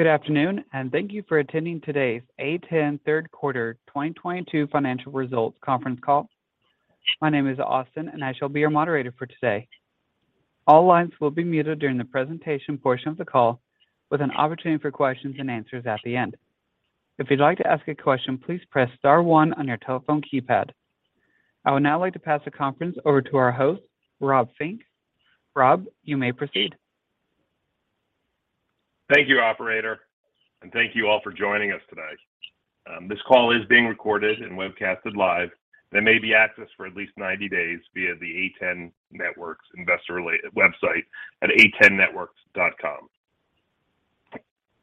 Good afternoon, and thank you for attending today's A10 third quarter 2022 financial results conference call. My name is Austin, and I shall be your moderator for today. All lines will be muted during the presentation portion of the call, with an opportunity for questions and answers at the end. If you'd like to ask a question, please press star one on your telephone keypad. I would now like to pass the conference over to our host, Rob Fink. Rob, you may proceed. Thank you, operator, and thank you all for joining us today. This call is being recorded and webcasted live and may be accessed for at least 90 days via the A10 Networks investor relations website at a10networks.com.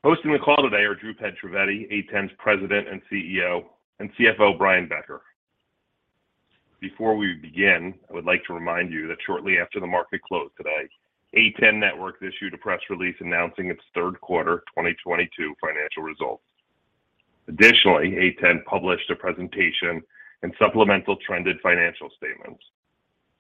Hosting the call today are Dhrupad Trivedi, A10's President and CEO, and CFO Brian Becker. Before we begin, I would like to remind you that shortly after the market closed today, A10 Networks issued a press release announcing its third quarter 2022 financial results. Additionally, A10 published a presentation and supplemental trended financial statements.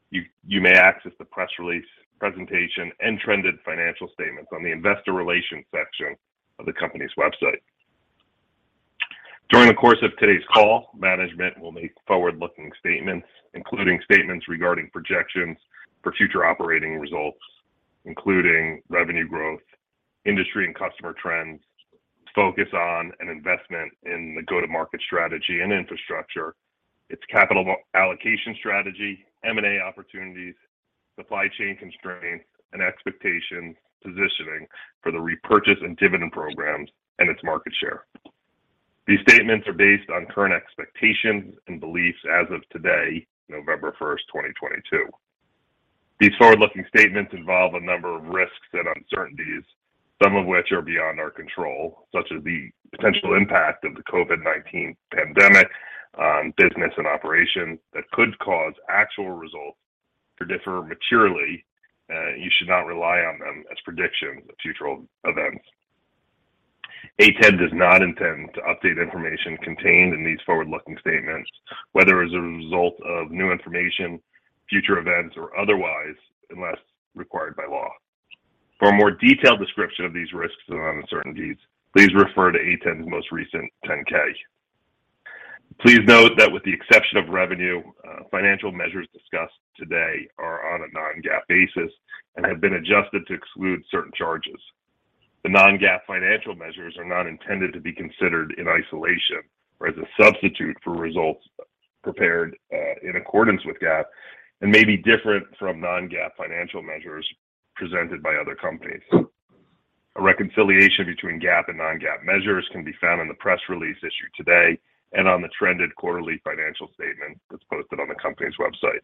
You may access the press release presentation and trended financial statements on the investor relations section of the company's website. During the course of today's call, management will make forward-looking statements, including statements regarding projections for future operating results, including revenue growth, industry and customer trends, focus on an investment in the go-to-market strategy and infrastructure, its capital allocation strategy, M&A opportunities, supply chain constraints, and expectations positioning for the repurchase and dividend programs, and its market share. These statements are based on current expectations and beliefs as of today, November 1, 2022. These forward-looking statements involve a number of risks and uncertainties, some of which are beyond our control, such as the potential impact of the COVID-19 pandemic on business and operations that could cause actual results to differ materially. You should not rely on them as predictions of future events. A10 does not intend to update information contained in these forward-looking statements, whether as a result of new information, future events, or otherwise, unless required by law. For a more detailed description of these risks and uncertainties, please refer to A10's most recent 10-K. Please note that with the exception of revenue, financial measures discussed today are on a non-GAAP basis and have been adjusted to exclude certain charges. The non-GAAP financial measures are not intended to be considered in isolation or as a substitute for results prepared in accordance with GAAP and may be different from non-GAAP financial measures presented by other companies. A reconciliation between GAAP and non-GAAP measures can be found in the press release issued today and on the trended quarterly financial statement that's posted on the company's website.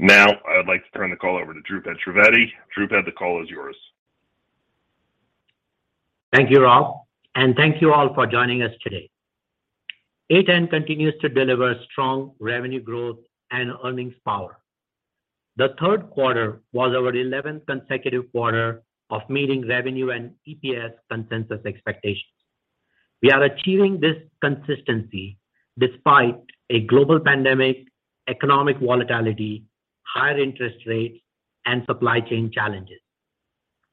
Now, I would like to turn the call over to Dhrupad Trivedi. Dhrupad, the call is yours. Thank you, Rob, and thank you all for joining us today. A10 continues to deliver strong revenue growth and earnings power. The third quarter was our eleventh consecutive quarter of meeting revenue and EPS consensus expectations. We are achieving this consistency despite a global pandemic, economic volatility, higher interest rates, and supply chain challenges.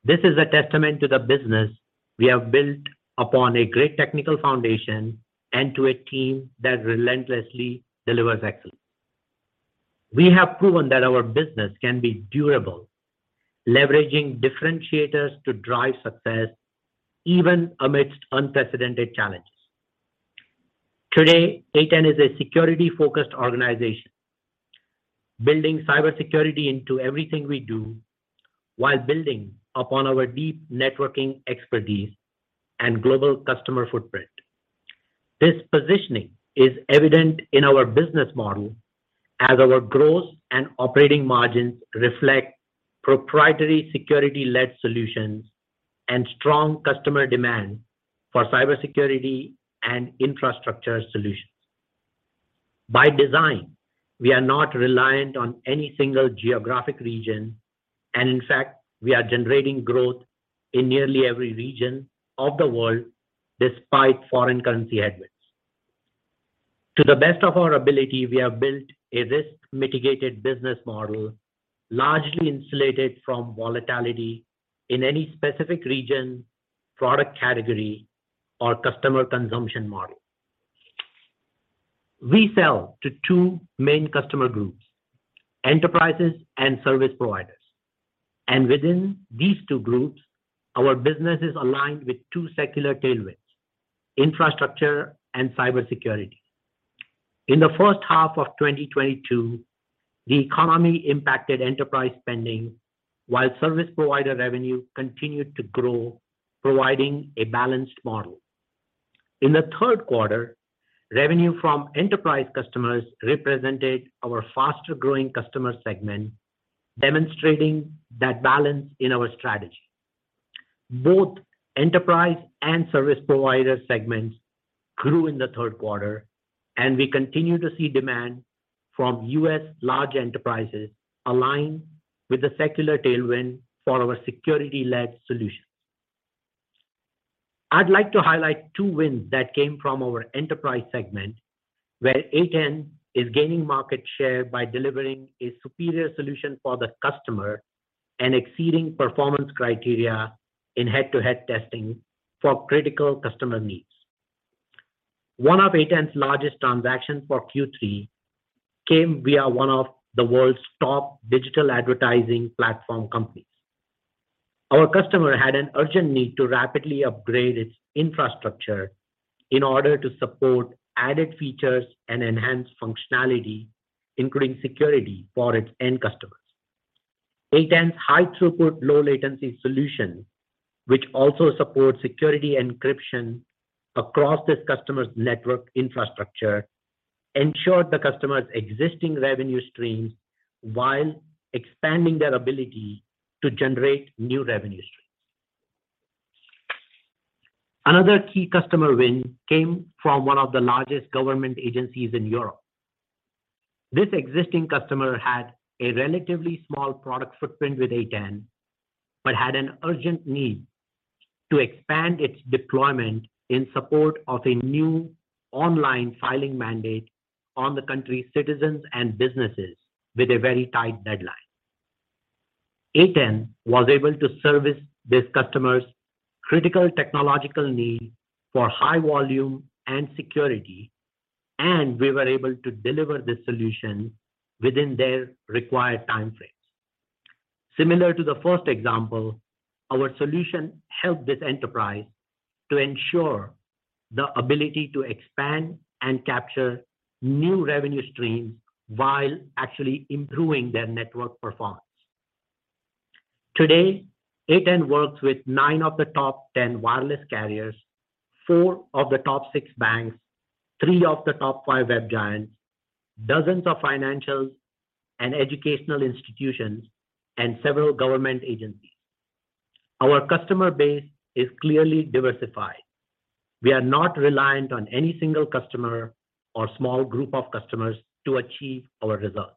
This is a testament to the business we have built upon a great technical foundation and to a team that relentlessly delivers excellence. We have proven that our business can be durable, leveraging differentiators to drive success even amidst unprecedented challenges. Today, A10 is a security-focused organization, building cybersecurity into everything we do while building upon our deep networking expertise and global customer footprint. This positioning is evident in our business model as our growth and operating margins reflect proprietary security-led solutions and strong customer demand for cybersecurity and infrastructure solutions. By design, we are not reliant on any single geographic region, and in fact, we are generating growth in nearly every region of the world despite foreign currency headwinds. To the best of our ability, we have built a risk-mitigated business model largely insulated from volatility in any specific region, product category, or customer consumption model. We sell to two main customer groups, enterprises and service providers. Within these two groups, our business is aligned with two secular tailwinds, infrastructure and cybersecurity. In the first half of 2022, the economy impacted enterprise spending, while service provider revenue continued to grow, providing a balanced model. In the third quarter, revenue from enterprise customers represented our faster-growing customer segment, demonstrating that balance in our strategy. Both enterprise and service provider segments grew in the third quarter, and we continue to see demand from US large enterprises align with the secular tailwind for our security-led solutions. I'd like to highlight two wins that came from our enterprise segment. Where A10 is gaining market share by delivering a superior solution for the customer and exceeding performance criteria in head-to-head testing for critical customer needs. One of A10's largest transactions for Q3 came via one of the world's top digital advertising platform companies. Our customer had an urgent need to rapidly upgrade its infrastructure in order to support added features and enhance functionality, including security for its end customers. A10's high throughput, low latency solution, which also supports security encryption across this customer's network infrastructure, ensured the customer's existing revenue streams while expanding their ability to generate new revenue streams. Another key customer win came from one of the largest government agencies in Europe. This existing customer had a relatively small product footprint with A10, but had an urgent need to expand its deployment in support of a new online filing mandate on the country's citizens and businesses with a very tight deadline. A10 was able to service this customer's critical technological need for high volume and security, and we were able to deliver this solution within their required time frames. Similar to the first example, our solution helped this enterprise to ensure the ability to expand and capture new revenue streams while actually improving their network performance. Today, A10 works with nine of the top ten wireless carriers, four of the top six banks, three of the top five web giants, dozens of financials and educational institutions, and several government agencies. Our customer base is clearly diversified. We are not reliant on any single customer or small group of customers to achieve our results.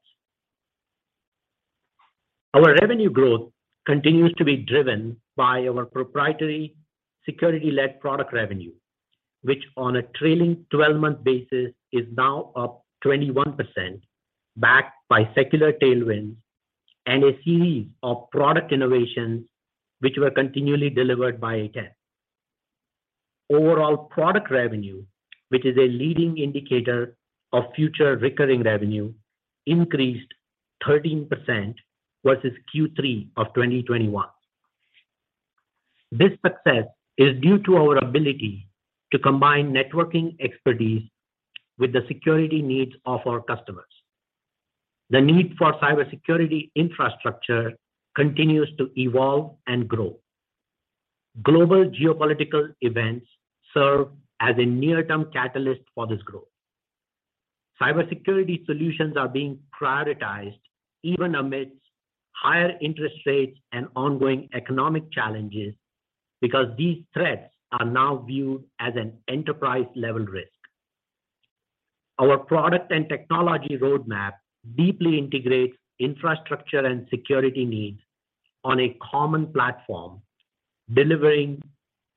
Our revenue growth continues to be driven by our proprietary security-led product revenue, which on a trailing 12-month basis is now up 21%, backed by secular tailwinds and a series of product innovations which were continually delivered by A10. Overall product revenue, which is a leading indicator of future recurring revenue, increased 13% versus Q3 of 2021. This success is due to our ability to combine networking expertise with the security needs of our customers. The need for cybersecurity infrastructure continues to evolve and grow. Global geopolitical events serve as a near-term catalyst for this growth. Cybersecurity solutions are being prioritized even amidst higher interest rates and ongoing economic challenges, because these threats are now viewed as an enterprise-level risk. Our product and technology roadmap deeply integrates infrastructure and security needs on a common platform, delivering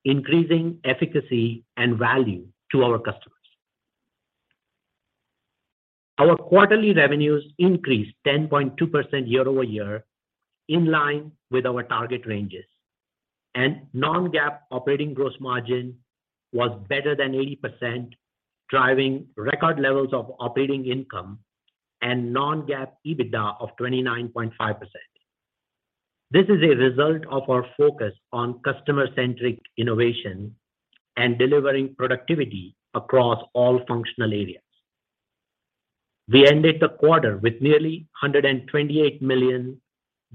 increasing efficacy and value to our customers. Our quarterly revenues increased 10.2% year over year, in line with our target ranges. Non-GAAP operating gross margin was better than 80%, driving record levels of operating income and non-GAAP EBITDA of 29.5%. This is a result of our focus on customer-centric innovation and delivering productivity across all functional areas. We ended the quarter with nearly $128 million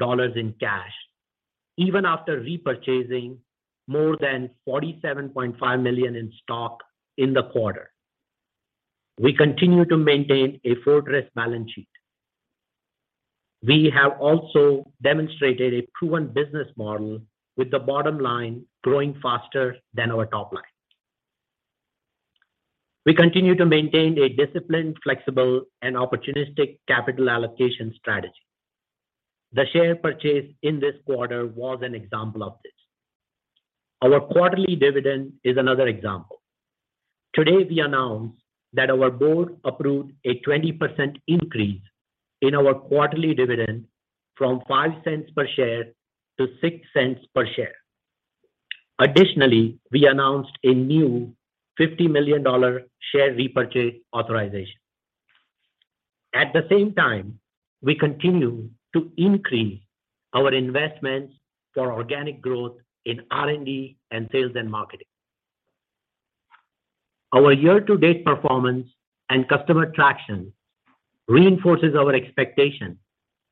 in cash, even after repurchasing more than $47.5 million in stock in the quarter. We continue to maintain a fortress balance sheet. We have also demonstrated a proven business model with the bottom line growing faster than our top line. We continue to maintain a disciplined, flexible, and opportunistic capital allocation strategy. The share purchase in this quarter was an example of this. Our quarterly dividend is another example. Today, we announced that our board approved a 20% increase in our quarterly dividend from $0.05 per share to $0.06 per share. Additionally, we announced a new $50 million share repurchase authorization. At the same time, we continue to increase our investments for organic growth in R&D and sales and marketing. Our year-to-date performance and customer traction reinforces our expectation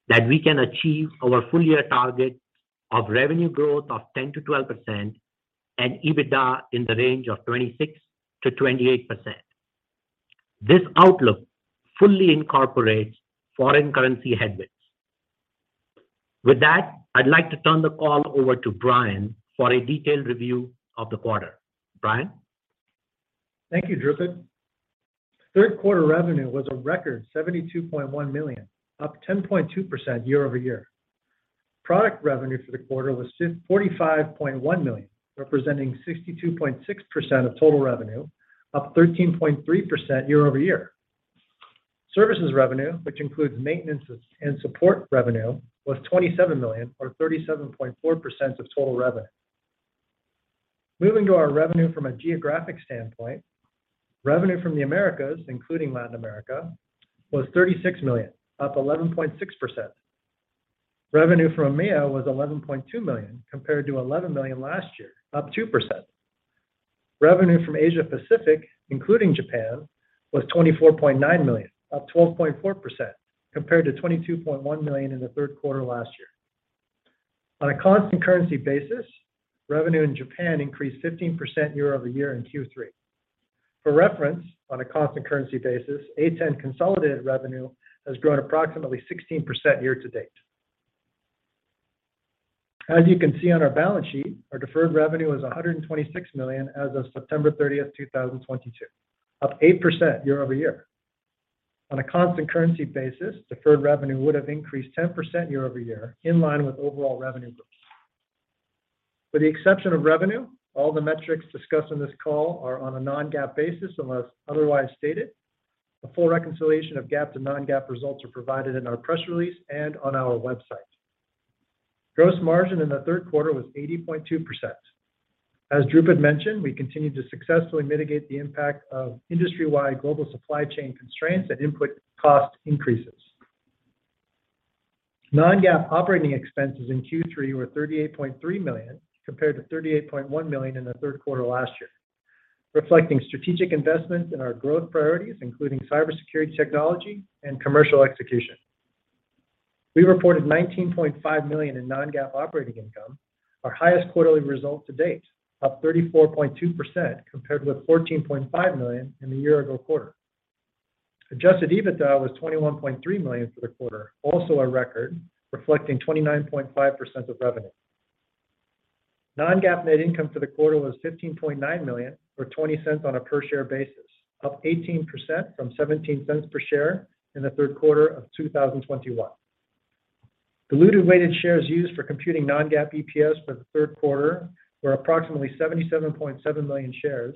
that we can achieve our full-year target of revenue growth of 10%-12% and EBITDA in the range of 26%-28%. This outlook fully incorporates foreign currency headwinds. With that, I'd like to turn the call over to Brian for a detailed review of the quarter. Brian. Thank you, Dhrupad. Third quarter revenue was a record $72.1 million, up 10.2% year-over-year. Product revenue for the quarter was $45.1 million, representing 62.6% of total revenue, up 13.3% year-over-year. Services revenue, which includes maintenance and support revenue, was $27 million, or 37.4% of total revenue. Moving to our revenue from a geographic standpoint, revenue from the Americas, including Latin America, was $36 million, up 11.6%. Revenue from EMEA was $11.2 million compared to $11 million last year, up 2%. Revenue from Asia-Pacific, including Japan, was $24.9 million, up 12.4% compared to $22.1 million in the third quarter last year. On a constant currency basis, revenue in Japan increased 15% year-over-year in Q3. For reference, on a constant currency basis, A10 consolidated revenue has grown approximately 16% year to date. As you can see on our balance sheet, our deferred revenue was $126 million as of September 30, 2022, up 8% year over year. On a constant currency basis, deferred revenue would have increased 10% year over year, in line with overall revenue growth. With the exception of revenue, all the metrics discussed on this call are on a non-GAAP basis unless otherwise stated. A full reconciliation of GAAP to non-GAAP results are provided in our press release and on our website. Gross margin in the third quarter was 80.2%. As Dhrupad mentioned, we continued to successfully mitigate the impact of industry-wide global supply chain constraints and input cost increases. Non-GAAP operating expenses in Q3 were $38.3 million, compared to $38.1 million in the third quarter last year, reflecting strategic investments in our growth priorities, including cybersecurity technology and commercial execution. We reported $19.5 million in non-GAAP operating income, our highest quarterly result to date, up 34.2% compared with $14.5 million in the year ago quarter. Adjusted EBITDA was $21.3 million for the quarter, also a record, reflecting 29.5% of revenue. Non-GAAP net income for the quarter was $15.9 million, or $0.20 per share, up 18% from $0.17 per share in the third quarter of 2021. Diluted weighted shares used for computing non-GAAP EPS for the third quarter were approximately 77.7 million shares,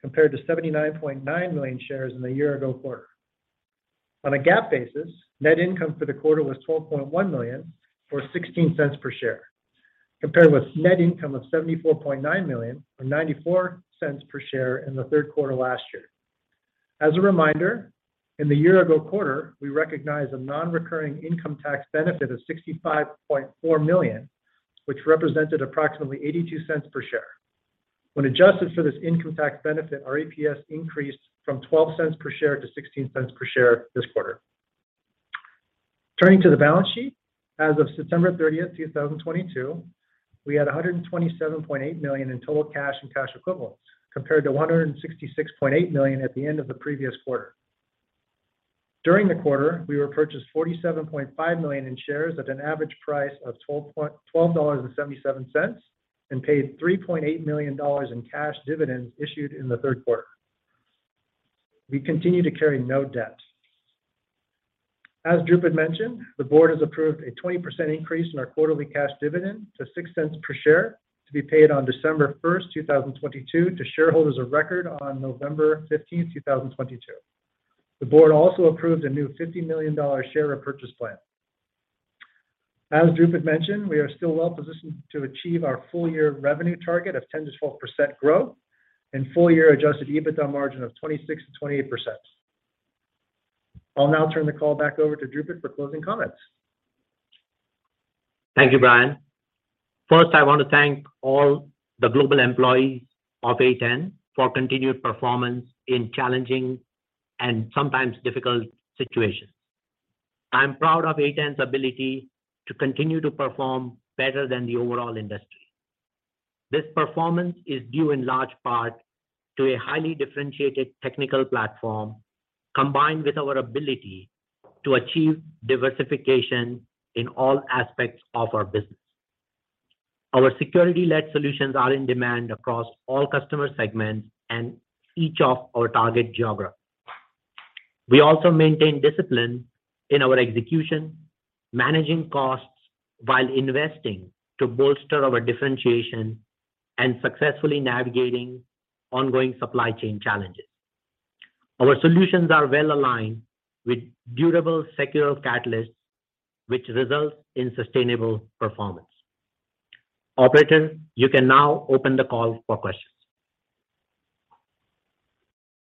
compared to 79.9 million shares in the year ago quarter. On a GAAP basis, net income for the quarter was $12.1 million, or $0.16 per share, compared with net income of $74.9 million, or $0.94 per share in the third quarter last year. As a reminder, in the year ago quarter, we recognized a non-recurring income tax benefit of $65.4 million, which represented approximately $0.82 per share. When adjusted for this income tax benefit, our EPS increased from $0.12 per share to $0.16 per share this quarter. Turning to the balance sheet. As of September 30th, 2022, we had $127.8 million in total cash and cash equivalents, compared to $166.8 million at the end of the previous quarter. During the quarter, we repurchased $47.5 million in shares at an average price of $12.77, and paid $3.8 million in cash dividends issued in the third quarter. We continue to carry no debt. As Dhrupad mentioned, the board has approved a 20% increase in our quarterly cash dividend to $0.06 per share to be paid on December 1st, 2022 to shareholders of record on November 15th, 2022. The board also approved a new $50 million share repurchase plan. As Dhrupad mentioned, we are still well-positioned to achieve our full year revenue target of 10%-12% growth and full year adjusted EBITDA margin of 26%-28%. I'll now turn the call back over to Dhrupad for closing comments. Thank you, Brian. First, I want to thank all the global employees of A10 for continued performance in challenging and sometimes difficult situations. I'm proud of A10's ability to continue to perform better than the overall industry. This performance is due in large part to a highly differentiated technical platform, combined with our ability to achieve diversification in all aspects of our business. Our security-led solutions are in demand across all customer segments and each of our target geographies. We also maintain discipline in our execution, managing costs while investing to bolster our differentiation and successfully navigating ongoing supply chain challenges. Our solutions are well aligned with durable secular catalysts, which results in sustainable performance. Operator, you can now open the call for questions.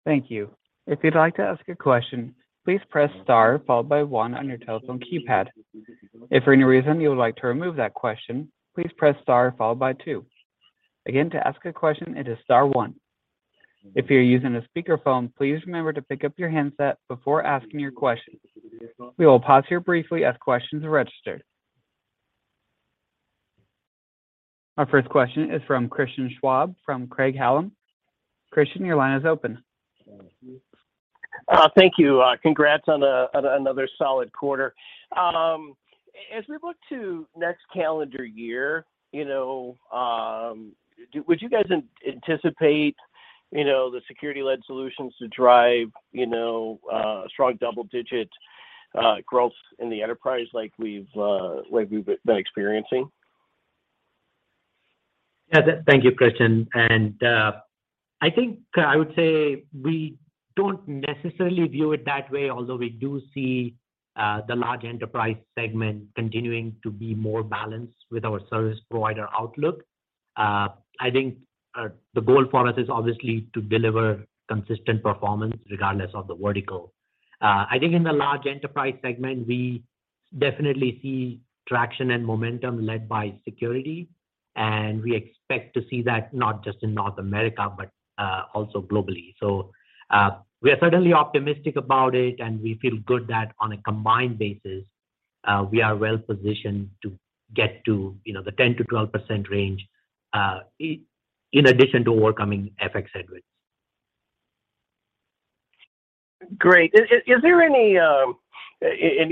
Thank you. If you'd like to ask a question, please press star followed by one on your telephone keypad. If for any reason you would like to remove that question, please press star followed by two. Again, to ask a question, it is star one. If you're using a speakerphone, please remember to pick up your handset before asking your question. We will pause here briefly as questions are registered. Our first question is from Christian Schwab from Craig-Hallum. Christian, your line is open. Thank you. Congrats on another solid quarter. As we look to next calendar year, you know, would you guys anticipate You know, the security-led solutions to drive, you know, strong double-digit growth in the enterprise like we've been experiencing. Yeah. Thank you, Christian. I think I would say we don't necessarily view it that way, although we do see the large enterprise segment continuing to be more balanced with our service provider outlook. I think the goal for us is obviously to deliver consistent performance regardless of the vertical. I think in the large enterprise segment, we definitely see traction and momentum led by security, and we expect to see that not just in North America, but also globally. We are certainly optimistic about it, and we feel good that on a combined basis we are well-positioned to get to, you know, the 10%-12% range in addition to overcoming FX headwinds. Great. Is there any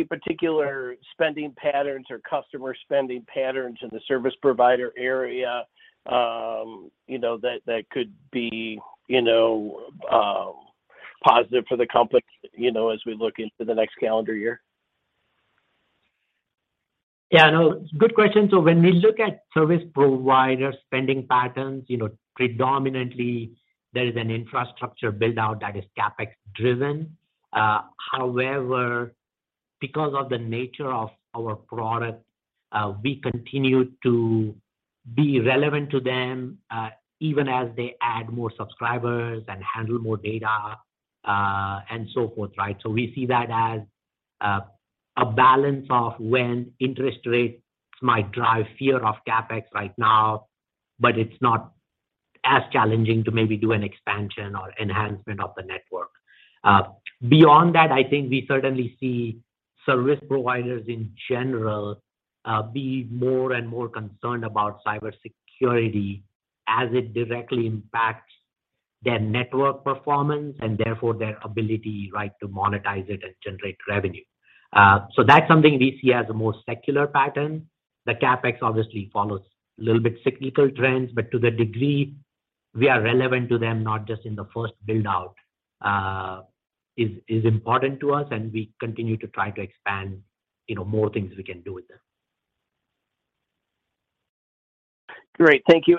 particular spending patterns or customer spending patterns in the service provider area, you know, that could be, you know, positive for the complex, you know, as we look into the next calendar year? Yeah, no. Good question. When we look at service provider spending patterns, you know, predominantly there is an infrastructure build-out that is CapEx driven. However, because of the nature of our product, we continue to be relevant to them, even as they add more subscribers and handle more data, and so forth, right? We see that as a balance of when interest rates might drive fear of CapEx right now, but it's not as challenging to maybe do an expansion or enhancement of the network. Beyond that, I think we certainly see service providers in general be more and more concerned about cybersecurity as it directly impacts their network performance and therefore their ability, right, to monetize it and generate revenue. That's something we see as a more secular pattern. The CapEx obviously follows a little bit cyclical trends, but to the degree we are relevant to them, not just in the first build-out, is important to us, and we continue to try to expand, you know, more things we can do with them. Great. Thank you.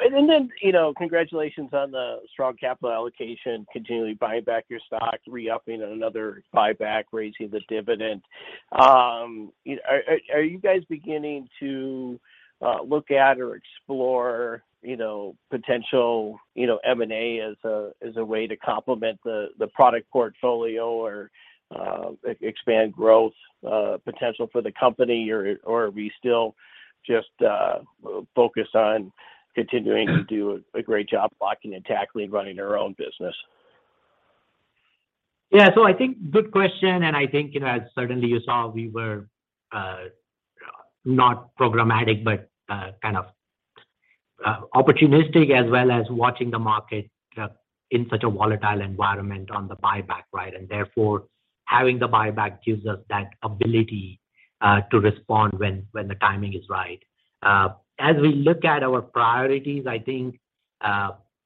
You know, congratulations on the strong capital allocation, continually buying back your stock, re-upping another buyback, raising the dividend. Are you guys beginning to look at or explore, you know, potential, you know, M&A as a way to complement the product portfolio or expand growth potential for the company? Or are we still just focused on continuing to do a great job blocking and tackling running our own business? Yeah. I think good question, and I think, you know, as certainly you saw, we were not programmatic, but kind of opportunistic as well as watching the market in such a volatile environment on the buyback, right? Therefore, having the buyback gives us that ability to respond when the timing is right. As we look at our priorities, I think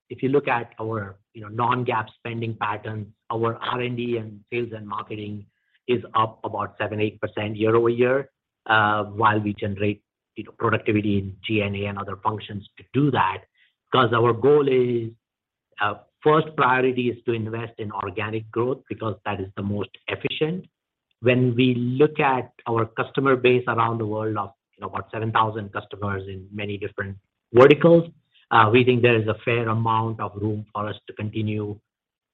if you look at our, you know, non-GAAP spending patterns, our R&D and sales and marketing is up about 7-8% year-over-year, while we generate, you know, productivity in G&A and other functions to do that. Because our goal is first priority is to invest in organic growth because that is the most efficient. When we look at our customer base around the world of about 7,000 customers in many different verticals, we think there is a fair amount of room for us to continue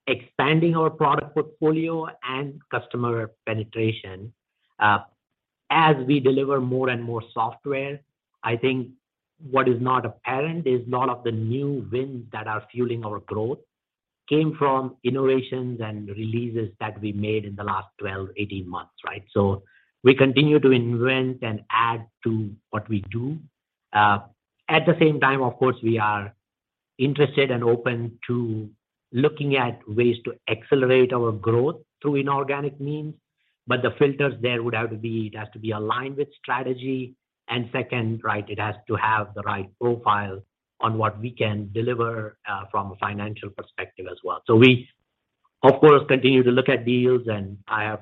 expanding our product portfolio and customer penetration. As we deliver more and more software, I think what is not apparent is a lot of the new wins that are fueling our growth came from innovations and releases that we made in the last 12-18 months, right? We continue to invent and add to what we do. At the same time, of course, we are interested and open to looking at ways to accelerate our growth through inorganic means, but the filters there would have to be, it has to be aligned with strategy. Second, right, it has to have the right profile on what we can deliver, from a financial perspective as well. We, of course, continue to look at deals, and I have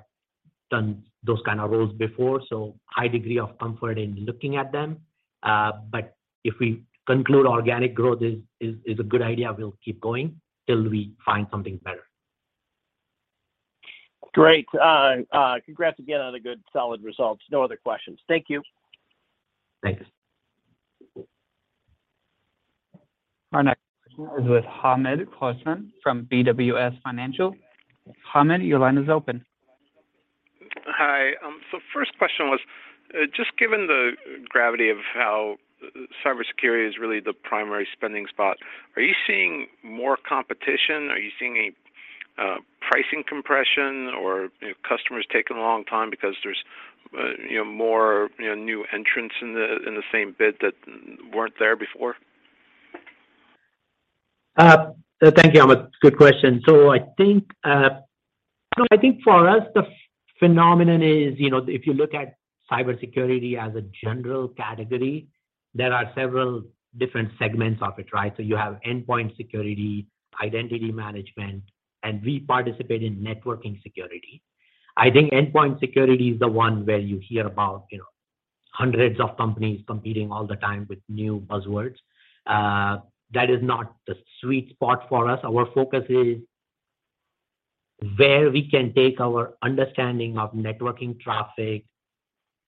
done those kind of roles before, so high degree of comfort in looking at them. But if we conclude organic growth is a good idea, we'll keep going till we find something better. Great. Congrats again on the good solid results. No other questions. Thank you. Thanks. Our next question is with Hamed Khorsand from BWS Financial. Hamed, your line is open. Hi. First question was, just given the gravity of how cybersecurity is really the primary spending spot, are you seeing more competition? Are you seeing a pricing compression or, you know, customers taking a long time because there's you know, more you know, new entrants in the same bid that weren't there before? Thank you, Hamed. Good question. I think for us, the phenomenon is, you know, if you look at cybersecurity as a general category, there are several different segments of it, right? You have endpoint security, identity management, and we participate in networking security. I think endpoint security is the one where you hear about, you know, hundreds of companies competing all the time with new buzzwords. That is not the sweet spot for us. Our focus is where we can take our understanding of networking traffic,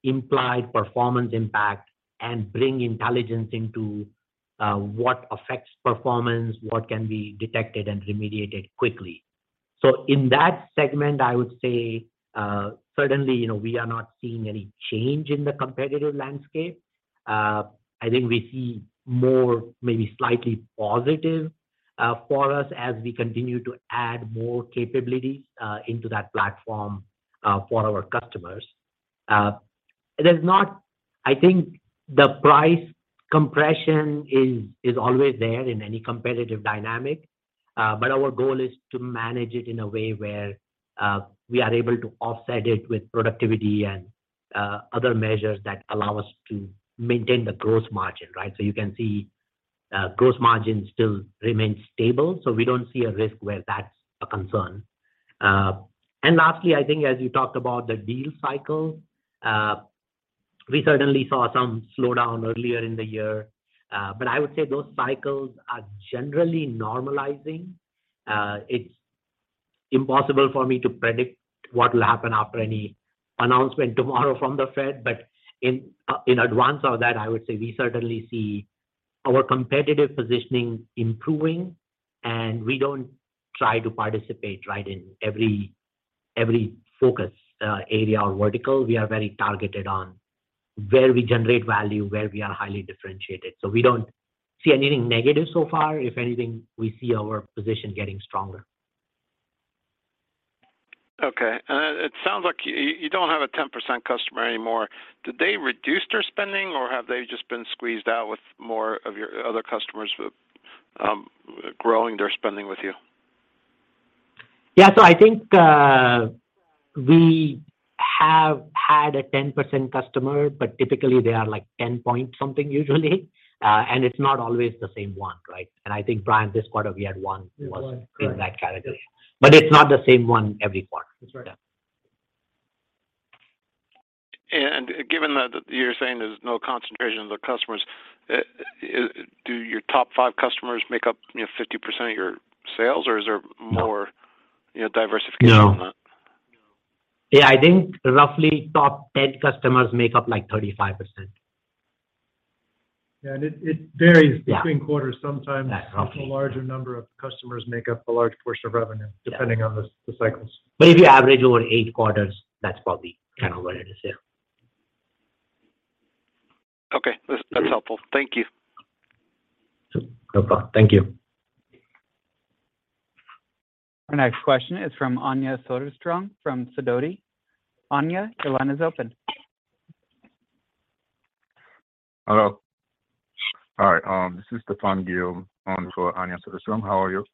implied performance impact, and bring intelligence into what affects performance, what can be detected and remediated quickly. In that segment, I would say, certainly, you know, we are not seeing any change in the competitive landscape. I think we see more maybe slightly positive for us as we continue to add more capabilities into that platform for our customers. I think the price compression is always there in any competitive dynamic, but our goal is to manage it in a way where we are able to offset it with productivity and other measures that allow us to maintain the gross margin, right? You can see gross margin still remains stable, so we don't see a risk where that's a concern. Lastly, I think as you talked about the deal cycle, we certainly saw some slowdown earlier in the year, but I would say those cycles are generally normalizing. It's impossible for me to predict what will happen after any announcement tomorrow from the Fed. In advance of that, I would say we certainly see our competitive positioning improving, and we don't try to participate, right, in every focus area or vertical. We are very targeted on where we generate value, where we are highly differentiated. We don't see anything negative so far. If anything, we see our position getting stronger. Okay. It sounds like you don't have a 10% customer anymore. Did they reduce their spending, or have they just been squeezed out with more of your other customers with growing their spending with you? Yeah. I think we have had a 10% customer, but typically they are like 10-point something usually. It's not always the same one, right? I think, Brian, this quarter we had one in that category. We had one. Correct. Yes. It's not the same one every quarter. That's right. Given that you're saying there's no concentration of the customers, do your top five customers make up, you know, 50% of your sales, or is there more? No. You know, diversification on that? No. Yeah, I think roughly top 10 customers make up, like, 35%. Yeah. It varies. Yeah. between quarters. Sometimes That's right. A larger number of customers make up a large portion of revenue. Yeah. depending on the cycles. If you average over 8 quarters, that's probably kind of where it is, yeah. Okay. That's helpful. Thank you. Sure. No problem. Thank you. Our next question is from Anja Soderstrom from Sidoti. Anja, your line is open. Hello. All right, this is Stephan Gill on for Anja Soderstrom. How are you?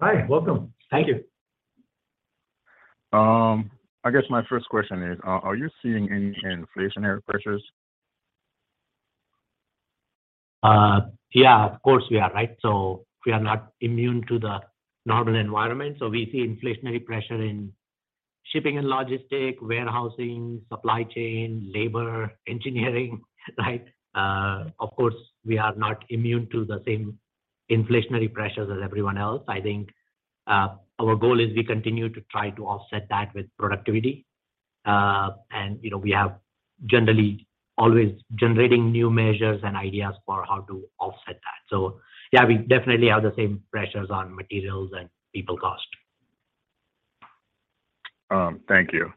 Hi. Welcome. Thank you. I guess my first question is, are you seeing any inflationary pressures? Yeah, of course, we are, right? We are not immune to the normal environment. We see inflationary pressure in shipping and logistics, warehousing, supply chain, labor, engineering, right? Of course, we are not immune to the same inflationary pressures as everyone else. I think, our goal is we continue to try to offset that with productivity. You know, we have generally always generating new measures and ideas for how to offset that. Yeah, we definitely have the same pressures on materials and people costs. Thank you.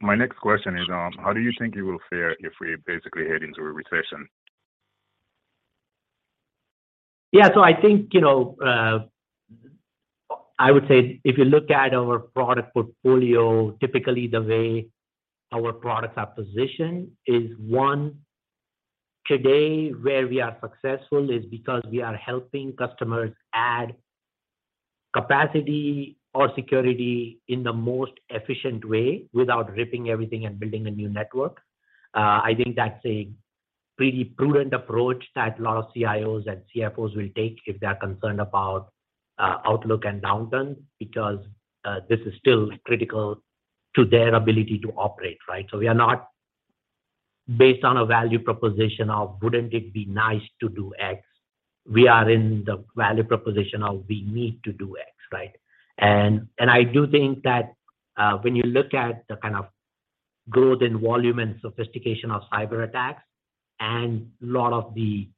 My next question is, how do you think you will fare if we basically head into a recession? Yeah. I think, you know, I would say if you look at our product portfolio, typically the way our products are positioned is, one, today where we are successful is because we are helping customers add capacity or security in the most efficient way without ripping everything and building a new network. I think that's a pretty prudent approach that a lot of CIOs and CFOs will take if they're concerned about outlook and downturn because this is still critical to their ability to operate, right? We are not based on a value proposition of wouldn't it be nice to do X. We are in the value proposition of we need to do X, right? I do think that when you look at the kind of growth in volume and sophistication of cyberattacks and a lot of the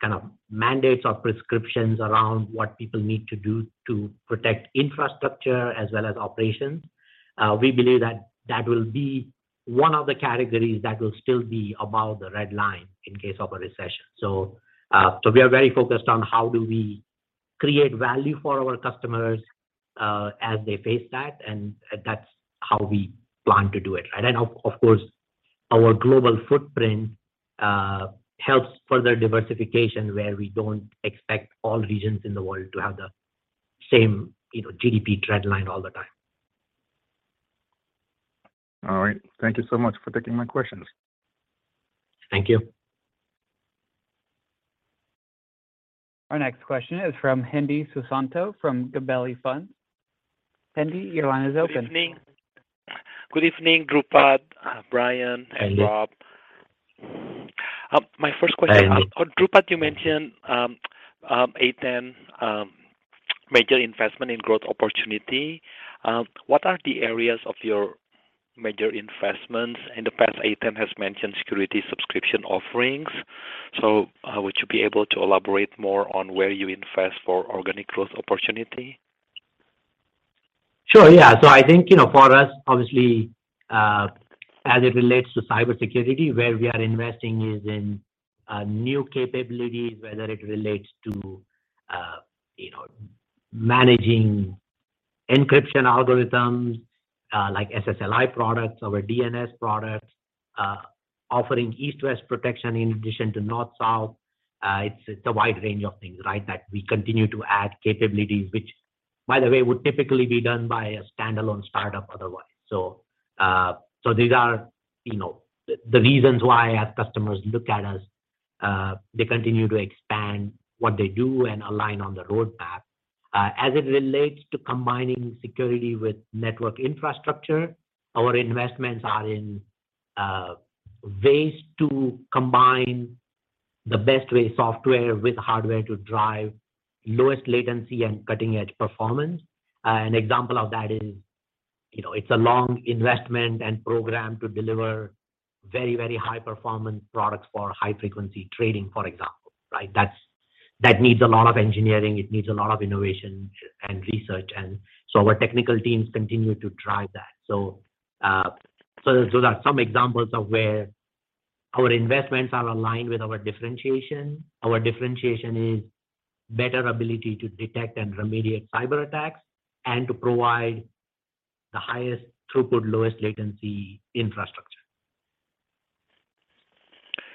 kind of mandates or prescriptions around what people need to do to protect infrastructure as well as operations, we believe that that will be one of the categories that will still be above the red line in case of a recession. We are very focused on how do we create value for our customers as they face that, and that's how we plan to do it, right? Of course, our global footprint helps further diversification where we don't expect all regions in the world to have the same, you know, GDP trend line all the time. All right. Thank you so much for taking my questions. Thank you. Our next question is from Hendi Susanto from Gabelli Funds. Hendi, your line is open. Good evening, Dhrupad, Brian, and Rob. Hendi. My first question. Hi, Hendi. Dhrupad, you mentioned A10 major investment in growth opportunity. What are the areas of your major investments? In the past, A10 has mentioned security subscription offerings. Would you be able to elaborate more on where you invest for organic growth opportunity? Sure, yeah. I think, you know, for us, obviously, as it relates to cybersecurity, where we are investing is in new capabilities, whether it relates to, you know, managing encryption algorithms, like SSLI products or DNS products, offering east-west protection in addition to north-south. It's a wide range of things, right, that we continue to add capabilities, which by the way, would typically be done by a standalone startup otherwise. These are, you know, the reasons why our customers look at us, they continue to expand what they do and align on the roadmap. As it relates to combining security with network infrastructure, our investments are in ways to combine the best way software with hardware to drive lowest latency and cutting-edge performance. An example of that is, you know, it's a long investment and program to deliver very, very high-performance products for high-frequency trading, for example, right? That needs a lot of engineering, it needs a lot of innovation and research, and our technical teams continue to drive that. That's some examples of where our investments are aligned with our differentiation. Our differentiation is better ability to detect and remediate cyberattacks and to provide the highest throughput, lowest latency infrastructure.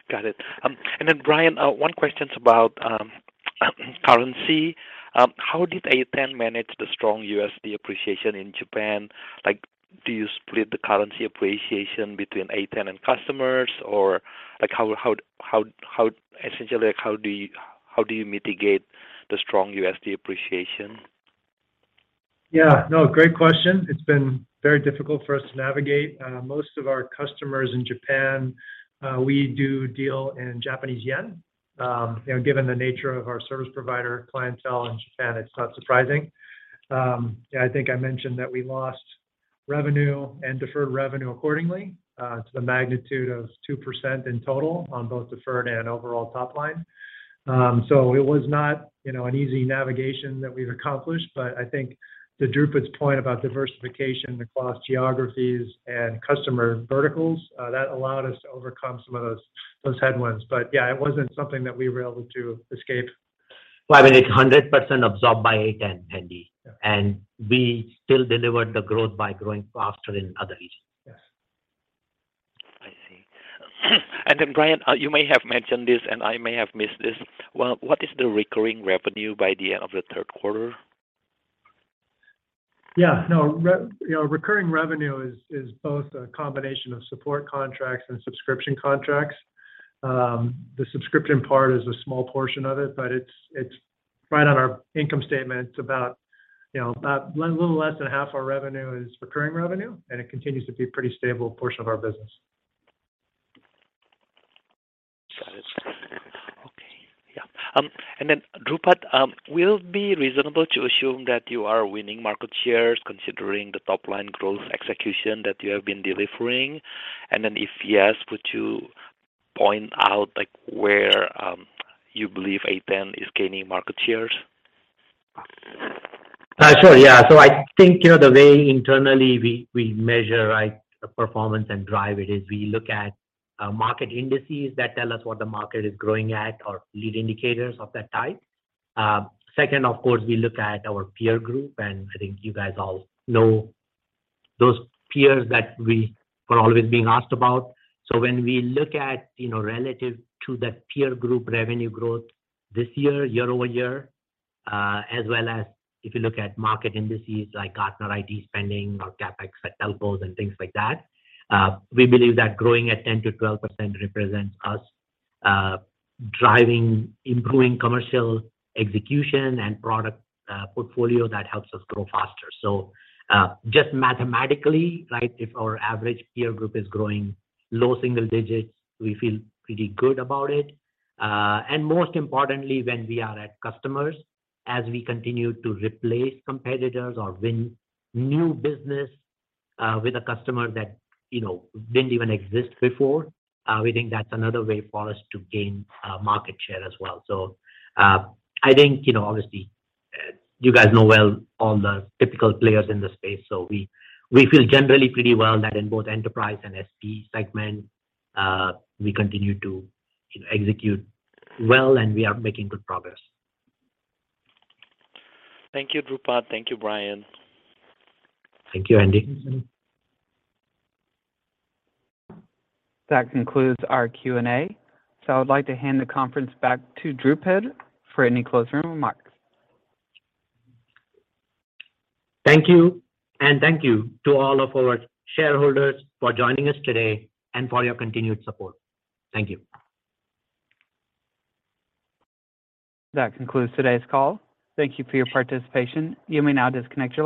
Got it. Then Brian, one question's about currency. How did A10 manage the strong USD appreciation in Japan? Like, do you split the currency appreciation between A10 and customers? Or like how? Essentially, like, how do you mitigate the strong USD appreciation? Yeah. No, great question. It's been very difficult for us to navigate. Most of our customers in Japan, we do deal in Japanese yen. You know, given the nature of our service provider clientele in Japan, it's not surprising. Yeah, I think I mentioned that we lost revenue and deferred revenue accordingly, to the magnitude of 2% in total on both deferred and overall top line. It was not, you know, an easy navigation that we've accomplished, but I think to Dhrupad's point about diversification across geographies and customer verticals, that allowed us to overcome some of those headwinds. Yeah, it wasn't something that we were able to escape. Well, I mean, it's 100% absorbed by A10, Hendi. Yeah. We still delivered the growth by growing faster in other regions. Yes. I see. Brian, you may have mentioned this, and I may have missed this. Well, what is the recurring revenue by the end of the third quarter? Yeah. No. You know, recurring revenue is both a combination of support contracts and subscription contracts. The subscription part is a small portion of it, but it's right on our income statement. You know, about a little less than half our revenue is recurring revenue, and it continues to be pretty stable portion of our business. Got it. Okay. Yeah. Dhrupad, will it be reasonable to assume that you are winning market shares considering the top-line growth execution that you have been delivering? If yes, could you point out, like, where you believe A10 is gaining market shares? Sure, yeah. I think, you know, the way internally we measure, right, performance and drive it is we look at market indices that tell us what the market is growing at or lead indicators of that type. Second, of course, we look at our peer group, and I think you guys all know those peers that we're always being asked about. When we look at, you know, relative to that peer group revenue growth this year-over-year, as well as if you look at market indices like Gartner IT spending or CapEx for telcos and things like that, we believe that growing at 10%-12% represents us driving improving commercial execution and product portfolio that helps us grow faster. Just mathematically, right, if our average peer group is growing low single digits, we feel pretty good about it. Most importantly, when we are at customers, as we continue to replace competitors or win new business with a customer that, you know, didn't even exist before, we think that's another way for us to gain market share as well. I think, you know, obviously, you guys know well all the typical players in this space. We feel generally pretty well that in both enterprise and SP segment, we continue to, you know, execute well, and we are making good progress. Thank you, Dhrupad. Thank you, Brian. Thank you, Hendi. That concludes our Q&A. I would like to hand the conference back to Dhrupad for any closing remarks. Thank you, and thank you to all of our shareholders for joining us today and for your continued support. Thank you. That concludes today's call. Thank you for your participation. You may now disconnect your lines.